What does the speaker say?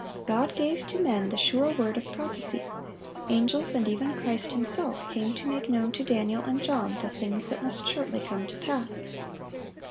God gave to men the sure word of prophecy; angels and even Christ Himself came to make known to Daniel and John the things that must shortly come to pass.